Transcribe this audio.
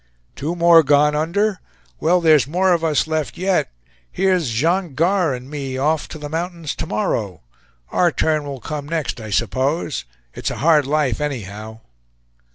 "Two more gone under! Well, there is more of us left yet. Here's Jean Gars and me off to the mountains to morrow. Our turn will come next, I suppose. It's a hard life, anyhow!"